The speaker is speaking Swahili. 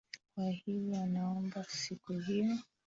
Kwa hivyo nawaomba siku hiyo.